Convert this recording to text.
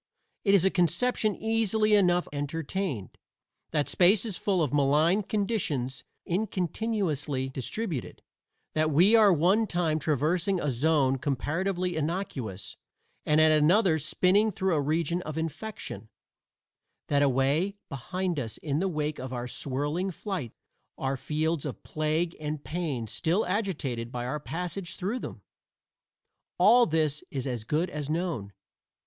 It is a conception easily enough entertained. That space is full of malign conditions incontinuously distributed; that we are at one time traversing a zone comparatively innocuous and at another spinning through a region of infection; that away behind us in the wake of our swirling flight are fields of plague and pain still agitated by our passage through them, all this is as good as known.